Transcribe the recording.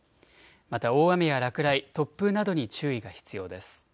また大雨や落雷、突風などに注意が必要です。